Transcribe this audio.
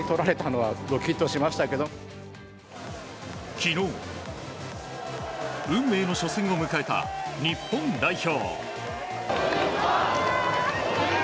昨日、運命の初戦を迎えた日本代表。